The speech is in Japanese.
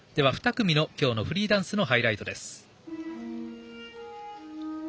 ２組の今日のフリーダンスのハイライトです。